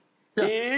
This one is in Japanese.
えっ！？